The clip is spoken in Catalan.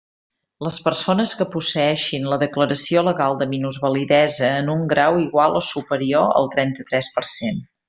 Les persones que posseeixin la declaració legal de minusvalidesa en un grau igual o superior al trenta-tres per cent.